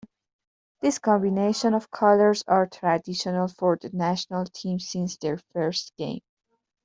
This combination of colours are traditional for the national team since their first game.